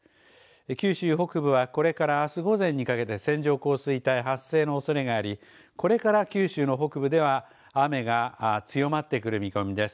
九州北部はこれからあす午前にかけて線状降水帯発生のおそれがあり、これから九州の北部では雨が強まってくる見込みです。